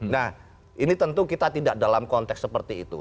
nah ini tentu kita tidak dalam konteks seperti itu